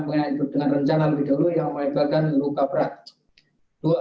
pengalihan itu dengan rencana lebih dahulu yang mengakibatkan luka berat dua menjatuhkan